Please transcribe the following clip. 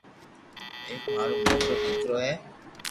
ايڪ مارو موٽو ديڪرو ھي